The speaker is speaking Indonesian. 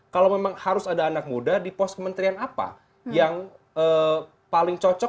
kalau memang harus ada anak muda di pos kementerian apa yang paling cocok